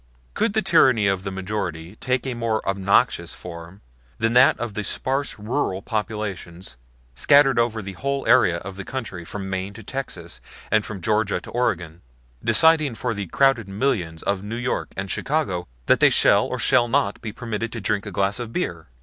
Could the tyranny of the majority take a more obnoxious form than that of sparse rural populations, scattered over the whole area of the country from Maine to Texas and from Georgia to Oregon, deciding for the crowded millions of New York and Chicago that they shall or shall not be permitted to drink a glass of beer?